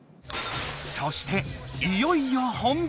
そしていよいよ本番。